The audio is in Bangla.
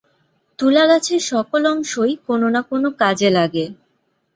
তুলা গাছের সকল অংশই কোন না কোন কাজে লাগে।